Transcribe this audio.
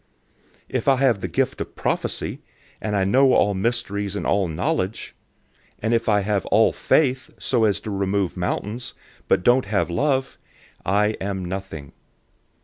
013:002 If I have the gift of prophecy, and know all mysteries and all knowledge; and if I have all faith, so as to remove mountains, but don't have love, I am nothing.